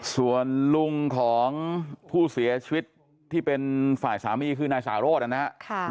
ส่วนลุงของผู้เสียชีวิตที่เป็นฝ่ายสามีคือนายสาโรธนะครับ